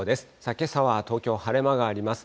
けさは東京、晴れ間があります。